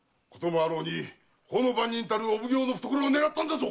法の番人たるお奉行の懐を狙ったんだぞ！